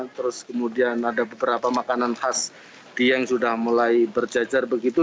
terus kemudian ada beberapa makanan khas dieng sudah mulai berjajar begitu